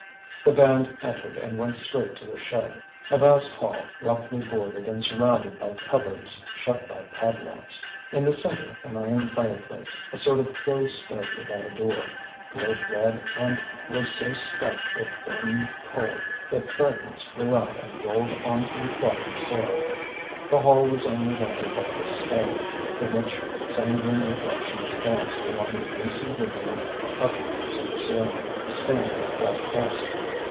The band entered and went straight to the shed, a vast hall roughly boarded and surrounded by cupboards shut by padlocks. In the centre an iron fireplace, a sort of closed stove without a door, glowed red and was so stuffed with burning coal that fragments flew out and rolled on to the trodden soil. The hall was only lighted by this stove, from which sanguine reflections danced along the greasy woodwork up to the ceiling, stained with black dust.